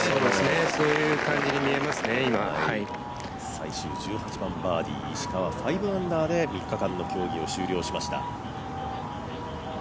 最終１８番バーディー、石川、５アンダーで３日間の競技を終了しました。